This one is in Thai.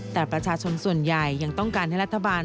แต่ประชาชนส่วนใหญ่ยังต้องการให้รัฐบาล